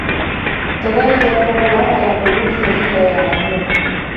كَذلِكَ يَطبَعُ اللَّهُ عَلى قُلوبِ الَّذينَ لا يَعلَمونَ